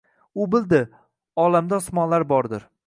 U bildi: olamda osmonlar bordir